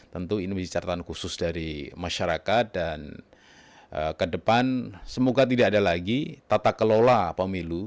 tentu ini menjadi catatan khusus dari masyarakat dan ke depan semoga tidak ada lagi tata kelola pemilu